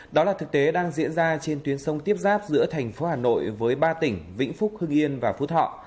đó là thực tế đang diễn ra trên tuyến sông tiếp giáp giữa thành phố hà nội với ba tỉnh vĩnh phúc hưng yên và phú thọ